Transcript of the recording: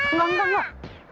enggak enggak enggak